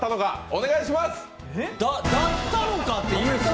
お願いします。